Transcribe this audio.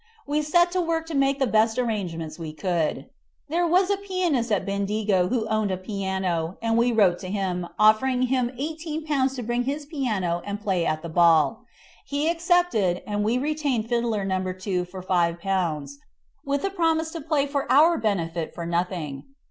We set to work to make the best arrangements we could. There was a pianist at Bendigo who owned a piano, and we wrote to him, offering him Ł18 to bring his piano and play at the ball. He accepted, and we retained Fiddler No. 2 for Ł5, with a promise to play for our benefit for nothing.